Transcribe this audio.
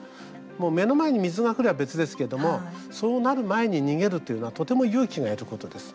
もう目の前に水が来れば別ですけどもそうなる前に逃げるというのはとても勇気がいることです。